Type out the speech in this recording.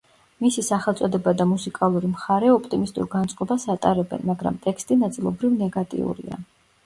მისი სახელწოდება და მუსიკალური მხარე ოპტიმისტურ განწყობას ატარებენ, მაგრამ ტექსტი ნაწილობრივ ნეგატიურია.